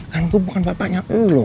kan gue bukan bapaknya